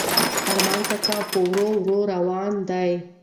ارمان کاکا په ورو ورو روان دی.